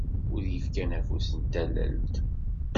Wid i d-yefkan afus n tallelt.